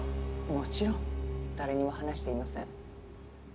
もちろん誰にも話していません。